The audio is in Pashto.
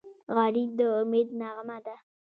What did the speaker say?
غریب د امید نغمه ده